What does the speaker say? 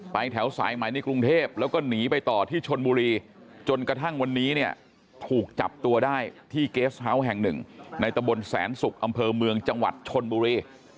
แถวสายใหม่ในกรุงเทพแล้วก็หนีไปต่อที่ชนบุรีจนกระทั่งวันนี้เนี่ยถูกจับตัวได้ที่เกสเฮาส์แห่งหนึ่งในตะบนแสนศุกร์อำเภอเมืองจังหวัดชนบุรี